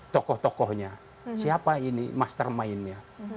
tokoh tokohnya siapa ini mastermindnya